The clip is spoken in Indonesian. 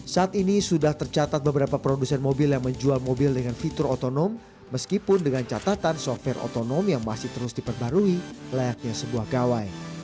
saat ini sudah tercatat beberapa produsen mobil yang menjual mobil dengan fitur otonom meskipun dengan catatan software otonom yang masih terus diperbarui layaknya sebuah gawai